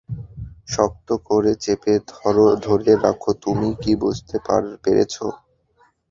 শক্ত করে চেপে ধরে রাখ তুমি কি বুঝতে পেরেছো?